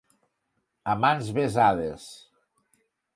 A mans besades.